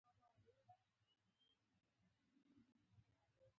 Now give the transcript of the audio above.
موږک سترگې سپینې وې.